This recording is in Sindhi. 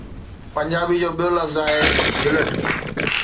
پنجابي جو ٻيو لفظ آهي ’جھلٽ‘.